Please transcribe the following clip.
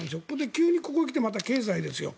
急にここへ来てまた経済ですよ。